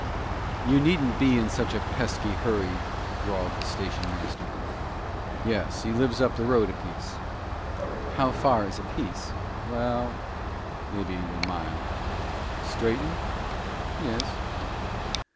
"You needn't be in such a pesky hurry," drawled the station master. "Yes, he lives up the road a piece." "How far is a piece?" "Well, maybe a mile." "Straighten?" "Yes."